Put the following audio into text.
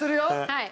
はい。